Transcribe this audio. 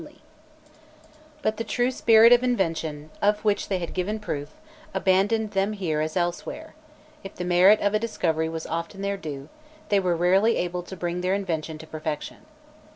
[Illustration: 319.jpg PAGE IMAGE] But the true spirit of invention, of which they had given proof, abandoned them here as elsewhere: if the merit of a discovery was often their due, they were rarely able to bring their invention to perfection.